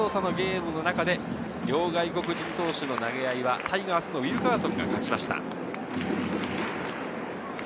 両外国人投手の投げ合いはタイガースのウィルカーソンが勝ちました。